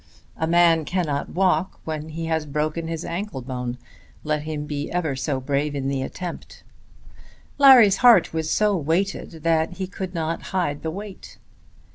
A man cannot walk when he has broken his ankle bone, let him be ever so brave in the attempt. Larry's heart was so weighed that he could not hide the weight.